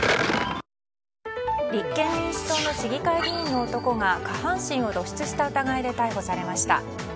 立憲民主党の市議会議員の男が下半身を露出した疑いで逮捕されました。